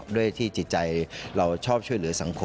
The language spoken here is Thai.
ด้วยที่จิตใจเราชอบช่วยเหลือสังคม